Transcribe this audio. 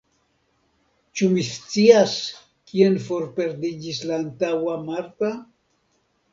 Ĉu mi scias, kien forperdiĝis la antaŭa Marta?